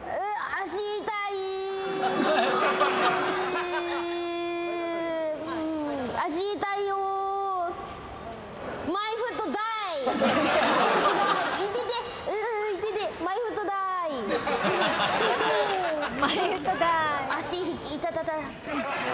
足痛たた。